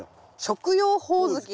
食用ホオズキ。